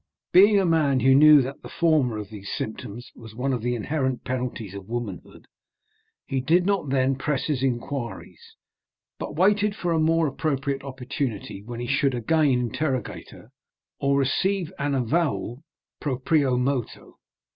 Being a man who knew that the former of these symptoms was one of the inherent penalties of womanhood, he did not then press his inquiries, but waited for a more appropriate opportunity when he should again interrogate her, or receive an avowal proprio motu.